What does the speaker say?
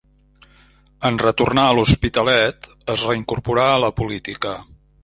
En retornar a l'Hospitalet, es reincorporà a la política.